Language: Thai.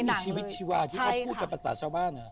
มีชีวิตชีวาที่เขาพูดเป็นภาษาชาวบ้าน